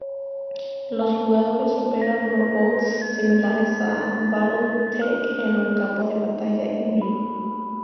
Los jugadores operan robots similares a BattleTech en un campo de batalla en vivo.